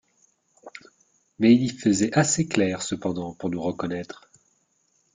Mais il y faisait assez clair cependant pour nous reconnaître.